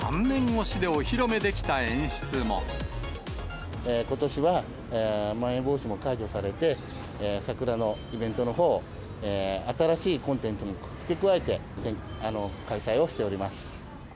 ３年越しでお披露目できた演ことしは、まん延防止も解除されて、桜のイベントのほうを、新しいコンテンツも付け加えて開催をしております。